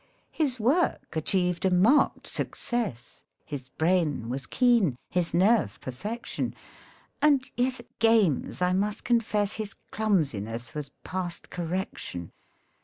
His work achieved a marked success, His brain was keen, his nerve perfection, And yet at games I must confess His clumsiness was past correction.